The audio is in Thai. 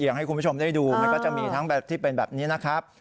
ให้คุณผู้ชมได้ดูมันก็จะมีทั้งแบบที่เป็นแบบนี้นะครับ